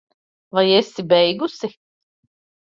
Vai esi beigusi?